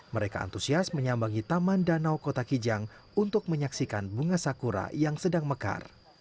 mereka antusias menyambangi taman danau kota kijang untuk menyaksikan bunga sakura yang sedang mekar